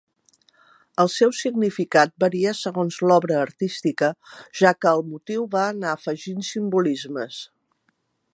El seu significat varia segons l'obra artística, ja que el motiu va anar afegint simbolismes.